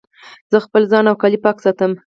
زه خپل ځان او کالي پاک ساتم.